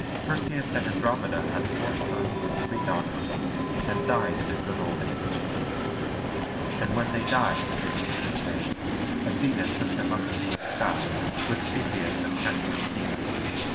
Perseus and Andromeda had four sons and three daughters, and died in a good old age. And when they died, the ancients say, Athene took them up into the sky, with Cepheus and Cassiopoeia.